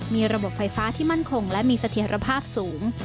มีระบบไฟฟ้าที่มั่นคงและมีเสถียรภาพสูง